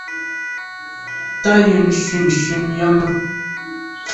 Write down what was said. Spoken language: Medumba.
Tàa yen shunshun yàme.